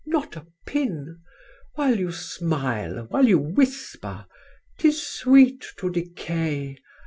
Not a pin! While you smile, while you whisper 'Tis sweet to decay!